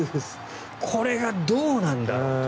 これがどうなんだろうという。